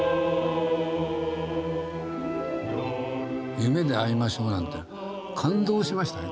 「夢であいましょう」なんて感動しましたね